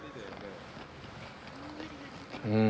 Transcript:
うん。